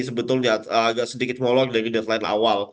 sebetulnya agak sedikit molor dari deadline awal